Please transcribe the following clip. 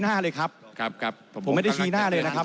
ท่านประธานก็เป็นสอสอมาหลายสมัย